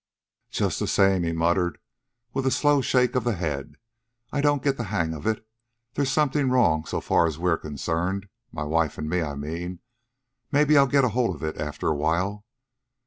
"Just the same," he muttered, with a slow shake of the head, "I don't get the hang of it. There's something wrong so far as we're concerned my wife an' me, I mean. Maybe I'll get hold of it after a while."